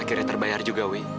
akhirnya terbayar juga wi